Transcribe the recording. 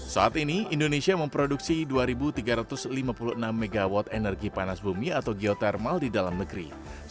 saat ini indonesia memproduksi dua tiga ratus lima puluh enam mw energi panas bumi atau geothermal di dalam negeri